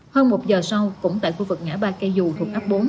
hơn một giờ sau cũng tại khu vực ngã ba cây dù thuộc ấp bốn